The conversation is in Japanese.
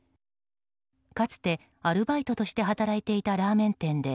かつて、アルバイトとして働いていたラーメン店で